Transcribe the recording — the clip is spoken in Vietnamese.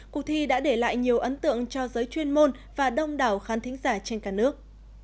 cuộc thi đã để lại nhiều ấn tượng cho giới chuyên môn và đông đảo khán thính giả trên cả nước